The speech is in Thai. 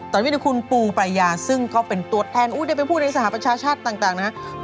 ตอนนี้มีคุณปูปรยาซึ่งก็เป็นตัวแทนโอ้ยได้เป็นผู้ในสหประชาชาติต่างนะครับ